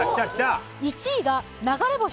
１位が流れ星☆